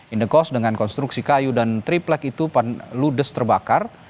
in the coast dengan konstruksi kayu dan triplek itu penludes terbakar